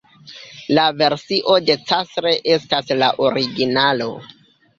La versio de Castle estas la originalo.